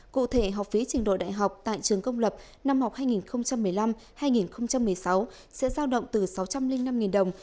cụ thể học phí trình độ đại học tại trường công lập năm học hai nghìn một mươi năm hai nghìn một mươi sáu sẽ giao động từ sáu trăm linh năm đồng